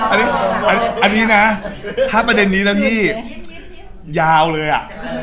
อ่ะอันนี้น่ะถ้าเวรนี้นะที่ยาวเลยอ่ะ